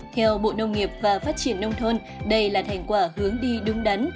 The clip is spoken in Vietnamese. theo bộ nông nghiệp và phát triển nông thôn đây là thành quả hướng đi đúng đắn